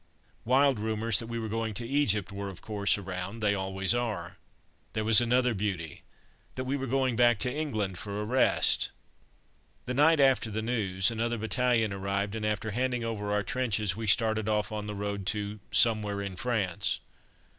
Wild rumours that we were going to Egypt were of course around; they always are. There was another beauty: that we were going back to England for a rest! The night after the news, another battalion arrived, and, after handing over our trenches, we started off on the road to "Somewhere in France."